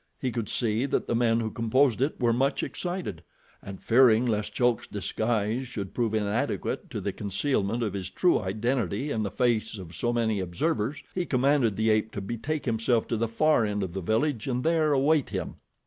He could see that the men who composed it were much excited, and fearing lest Chulk's disguise should prove inadequate to the concealment of his true identity in the face of so many observers, he commanded the ape to betake himself to the far end of the village, and there await him.